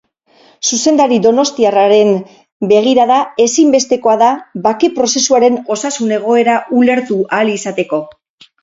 Zuzendari donostiarraren begirada ezinbestekoa da bake-prozesuaren osasun egoera ulertu ahal izateko.